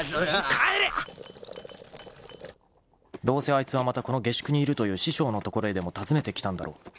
［どうせあいつはまたこの下宿にいるという師匠の所へでも訪ねてきたんだろう］